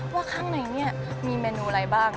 ว่าข้างในเนี่ยมีเมนูอะไรบ้าง